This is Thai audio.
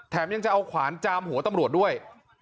ยังจะเอาขวานจามหัวตำรวจด้วย